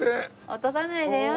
落とさないでよ。